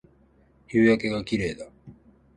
夕焼けが綺麗だ